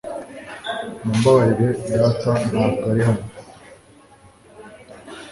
Mumbabarire data ntabwo ari hano